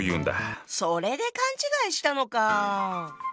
それで勘違いしたのか。